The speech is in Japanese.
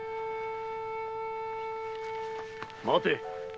待て。